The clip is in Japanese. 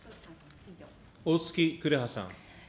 おおつき紅葉さん。